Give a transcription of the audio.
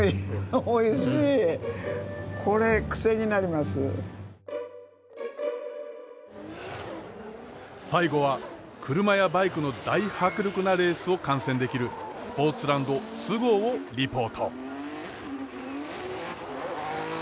でも最後は車やバイクの大迫力なレースを観戦できるスポーツランドＳＵＧＯをリポート。